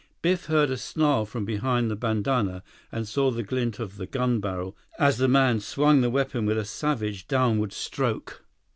Biff heard a snarl from behind the bandanna, and saw the glint of the gun barrel as the man swung the weapon with a savage, downward stroke.